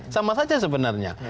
sama saja sebenarnya